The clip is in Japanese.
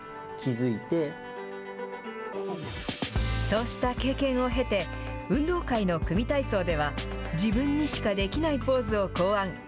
そうした経験を経て、運動会の組み体操では、自分にしかできないポーズを考案。